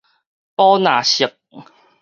寶藍色